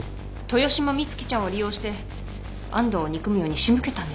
豊島美月ちゃんを利用して安藤を憎むように仕向けたんですよね。